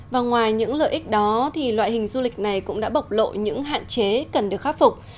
và ngoài những lợi ích đó loại hình du lịch này cũng đã bộc lộ những hạn chế cần được khắc phục